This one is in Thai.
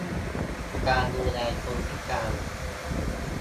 การดูแลคนพิการ